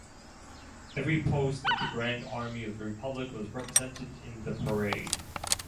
Every post of the Grand Army of the Republic was represented in the parade.